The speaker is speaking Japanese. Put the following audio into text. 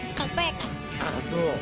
ああそう。